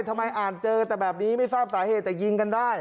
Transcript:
ทำไมอ่านเจอแต่แบบนี้ไม่ทราบสาเหตุแต่ยิงกันได้